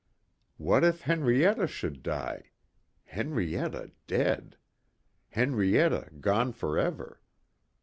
What if Henrietta should die.... Henrietta dead. Henrietta gone forever.